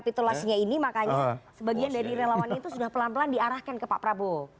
kapitulasinya ini makanya sebagian dari relawan itu sudah pelan pelan diarahkan ke pak prabowo